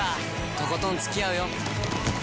とことんつきあうよ！